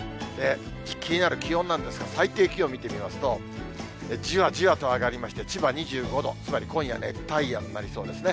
気になる気温なんですが、最低気温見てみますと、じわじわと上がりまして、千葉２５度、つまり今夜、熱帯夜となりそうですね。